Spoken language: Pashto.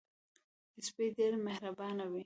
سپي ډېر مهربانه وي.